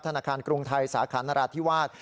ธนาคารกรุงไทยสาขานราธิวาส